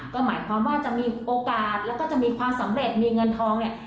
ก็หมายความว่าจะมีโอกาสแล้วก็จะมีความสำเร็จมีเงินทองเนี่ย